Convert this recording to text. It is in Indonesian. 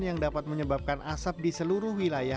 yang dapat menyebabkan asap yang terjadi di kota jambi